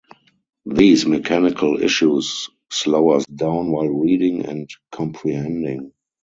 These mechanical issues slow us down while reading and comprehending.